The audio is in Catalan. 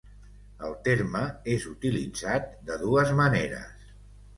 El terme és utilitzat de dues maneres.